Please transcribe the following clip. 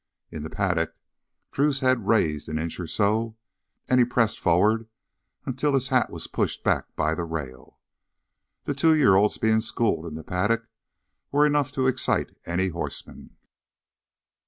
In the paddock.... Drew's head raised an inch or so, and he pressed forward until his hat was pushed back by the rail. The two year old being schooled in the paddock was enough to excite any horseman.